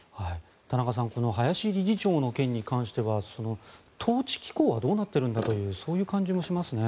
田中さんこの林理事長の件に関しては統治機構はどうなっているんだというそういう感じもしますね。